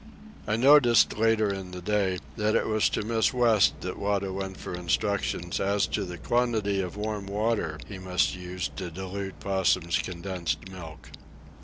I noticed, later in the day, that it was to Miss West that Wada went for instructions as to the quantity of warm water he must use to dilute Possum's condensed milk.